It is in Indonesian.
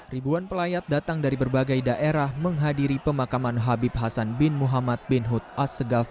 ribuan pelayat datang dari berbagai daerah menghadiri pemakaman habib hasan bin muhammad bin hud as segaf